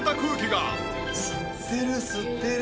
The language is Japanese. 吸ってる吸ってる。